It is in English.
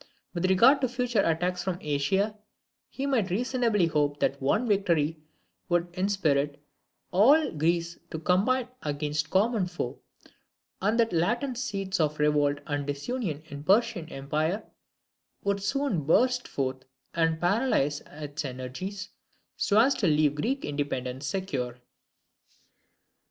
With regard to future attacks from Asia, he might reasonably hope that one victory would inspirit all Greece to combine against common foe; and that the latent seeds of revolt and disunion in the Persian empire would soon burst forth and paralyse its energies, so as to leave Greek independence secure.